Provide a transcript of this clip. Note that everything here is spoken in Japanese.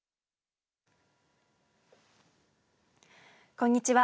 こんにちは。